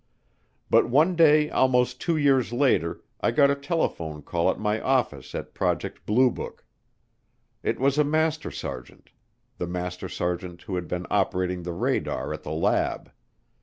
But one day almost two years later I got a telephone call at my office at Project Blue Book. It was a master sergeant, the master sergeant who had been operating the radar at the lab.